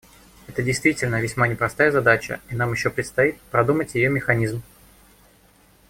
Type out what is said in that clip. Это действительно весьма непростая задача, и нам еще предстоит продумать ее механизм.